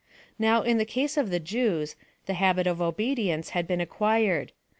Now, in the case of the Jev/s, the habit of obedience had been acquired.